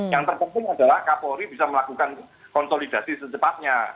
yang terpenting adalah kapolri bisa melakukan konsolidasi secepatnya